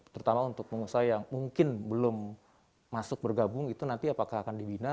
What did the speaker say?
terutama untuk pengusaha yang mungkin belum masuk bergabung itu nanti apakah akan dibina